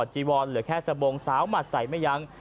เหลือแค่สะโบงสาวหมัดใสไม่ยั้ง